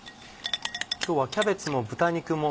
今日はキャベツも豚肉も